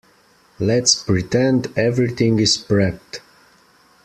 Let's pretend everything is prepped.